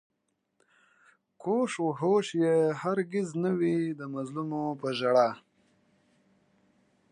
گوش و هوش يې هر گِز نه وي د مظلومو په ژړا